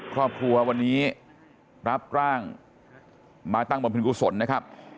ครอบครัววันนี้รับร่างมาตั้งบำเพ็ญกุศลนะครับ